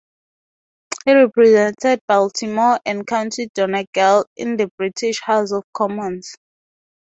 He represented Baltimore and County Donegal in the British House of Commons.